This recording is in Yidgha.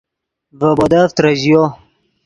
ڤے بودف ترژیو